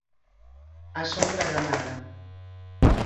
A sombra da nada.